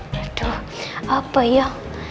aduh apa ya